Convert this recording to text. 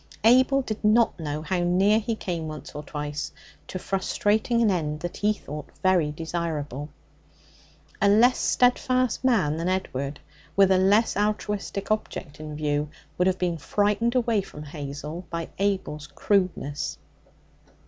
Abel did not know how near he came once or twice to frustrating an end that he thought very desirable. A less steadfast man than Edward, with a less altruistic object in view, would have been frightened away from Hazel by Abel's crudeness.